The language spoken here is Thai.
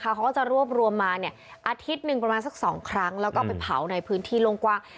เขาก็จะรวบรวมมาอาทิตย์หนึ่งประมาณสัก๒ครั้งแล้วก็ไปเผาในพื้นที่โล่งกว้าง